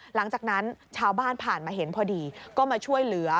หลังจากนั้นชาวบ้านผ่านมาเห็นพอดีก็มาช่วยเหลือ